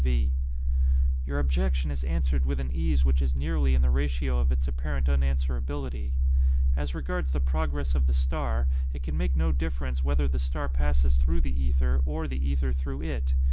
V. Your objection is answered with an ease which is nearly in the ratio of its apparent unanswerability.—As regards the progress of the star, it can make no difference whether the star passes through the ether or the ether through it.